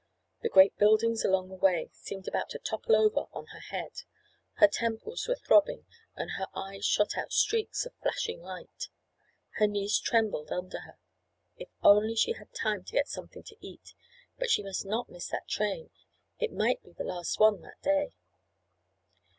The great buildings along the way seemed about to topple over on her head. Her temples were throbbing and her eyes shot out streaks of flashing light. Her knees trembled under her. If only she had time to get something to eat! But she must not miss that train. It might be the last one that day.